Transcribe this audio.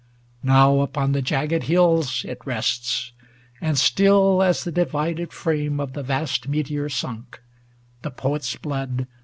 Now upon the jagged hills It rests; and still as the divided frame 650 Of the vast meteor sunk, the Poet's blood.